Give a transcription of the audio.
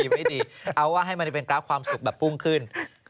ไม่ดีเอาว่าให้มันเป็นกราฟความสุขแบบพุ่งขึ้น